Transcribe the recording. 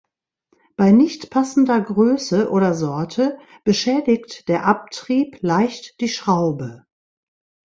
Bei nicht passender Größe oder Sorte beschädigt der Abtrieb leicht die Schraube.